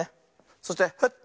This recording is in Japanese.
そしてフッ。